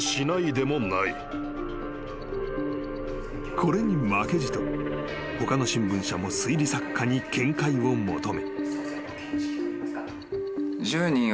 ［これに負けじと他の新聞社も推理作家に見解を求め］